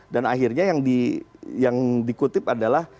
dan akhirnya yang dikutip adalah